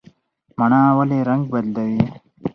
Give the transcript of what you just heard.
مڼه ولې رنګ بدلوي؟